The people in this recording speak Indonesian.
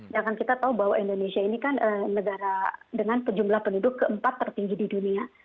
yang kan kita tahu bahwa indonesia ini kan negara dengan jumlah penduduk keempat tertinggi di dunia